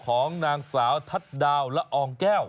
ของนางสาวทัศน์ดาวละอองแก้ว